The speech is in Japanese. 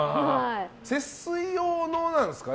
節水用なんですかね？